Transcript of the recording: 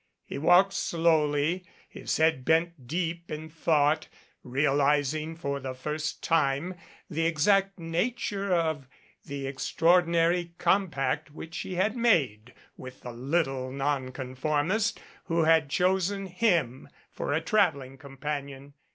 He walked slowly, his head bent deep in thought, realizing for the first time the exact nature of the extraordinary compact which he had made with the little nonconformist who had chosen him for a traveling companion.